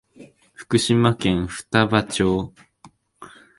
福島県双葉町